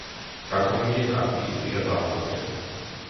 გაწოლილია კასპიისპირა დაბლობზე.